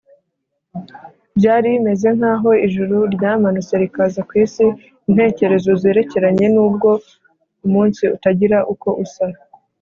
byari bimeze nk’aho ijuru ryamanutse rikaza ku isi intekerezo zerekeranye n’uwo munsi utagira uko usa,